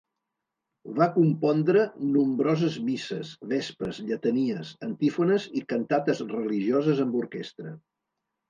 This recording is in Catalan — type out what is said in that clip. Va compondre nombroses misses, vespres, lletanies, antífones i cantates religioses amb orquestra.